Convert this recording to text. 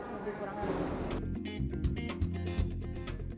lebih kurang asli